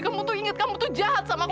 kamu tuh ingat kamu tuh jahat sama aku